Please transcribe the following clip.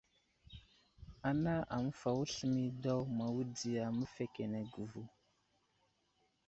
Ana aməfawo sləmay daw mawudiya məfekenege vo.